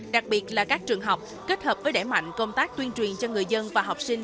đặc biệt là các trường học kết hợp với đẩy mạnh công tác tuyên truyền cho người dân và học sinh